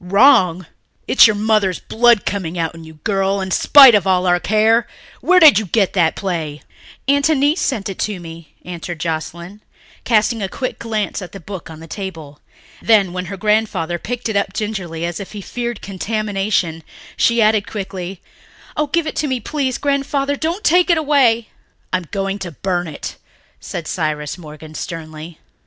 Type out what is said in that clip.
"Wrong! It's your mother's blood coming out in you, girl, in spite of all our care! Where did you get that play?" "Aunt Annice sent it to me," answered Joscelyn, casting a quick glance at the book on the table. Then, when her grandfather picked it up gingerly, as if he feared contamination, she added quickly, "Oh, give it to me, please, Grandfather. Don't take it away." "I am going to burn it," said Cyrus Morgan sternly.